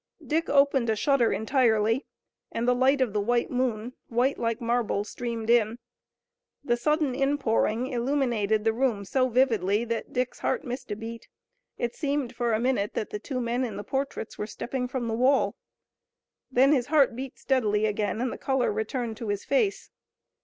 Dick opened a shutter entirely, and the light of the white moon, white like marble, streamed in. The sudden inpouring illuminated the room so vividly that Dick's heart missed a beat. It seemed, for a minute, that the two men in the portraits were stepping from the wall. Then his heart beat steadily again and the color returned to his face.